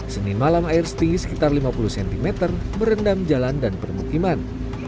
senin malam air setinggi sekitar lima puluh cm merendam jalan dan permukiman